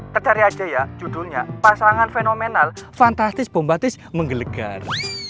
tercari aja ya judulnya pasangan fenomenal fantastis bombatis menggelegar